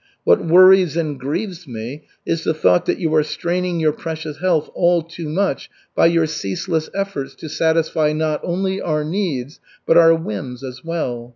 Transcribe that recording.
What worries and grieves me is the thought that you are straining your precious health all too much by your ceaseless efforts to satisfy not only our needs, but our whims as well.